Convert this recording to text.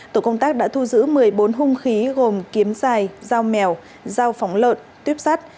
tổ công tác đã thu giữ một mươi bốn hung khí gồm kiếm dài dao mèo dao phóng lợn tuyếp sắt